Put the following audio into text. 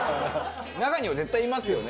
中には絶対いますよね。